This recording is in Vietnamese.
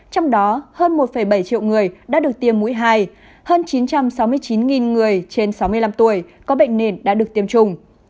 trong đó hơn một bảy triệu người đã được tiêm mũi hai hơn chín trăm sáu mươi chín người trên sáu mươi năm tuổi có bệnh nền đã được tiêm chủng